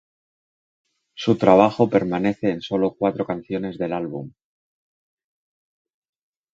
Su trabajo permanece en solo cuatro canciones del álbum.